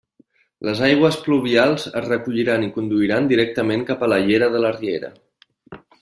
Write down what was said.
Les aigües pluvials es recolliran i conduiran directament cap a la llera de la riera.